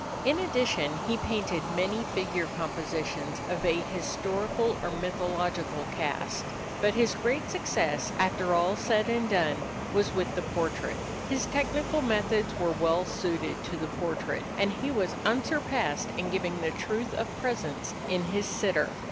In addition he painted many figure compositions of a historical or mythological cast. But his great success, after all said and done, was with the portrait. His technical methods were well suited to the portrait, and he was unsurpassed in giving the truth of presence in his sitter.